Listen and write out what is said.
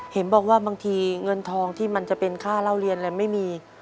เห็นบอกว่าบางทีเงินทองที่มันจะเป็นค่าเล่าเรียนอะไรไม่มี